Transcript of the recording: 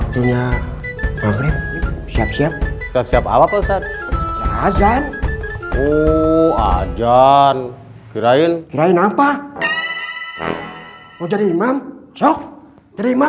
siap siap siap siap apa pesat ajan ajan kirain kirain apa mau jadi imam sob terima